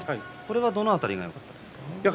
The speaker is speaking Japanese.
どの辺りがよかったですか？